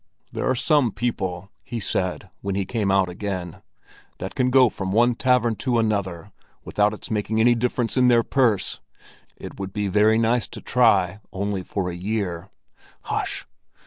"There are some people," he said, when he came out again, "that can go from one tavern to another without its making any difference in their purse. It would be nice to try—only for a year. Hush!"